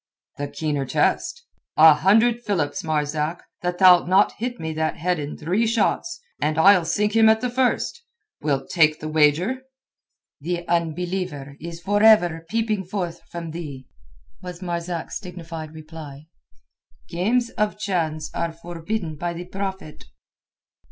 "The keener test. A hundred philips, Marzak, that thou'lt not hit me that head in three shots, and that I'll sink him at the first! Wilt take the wager?" "The unbeliever is for ever peeping forth from thee," was Marzak's dignified reply. "Games of chance are forbidden by the Prophet."